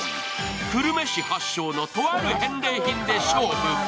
久留米市発祥のとある返礼品で勝負。